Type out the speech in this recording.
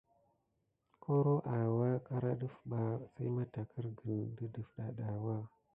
Koro awa dara ɗəf ɓa si matarkirguni de defda adawa.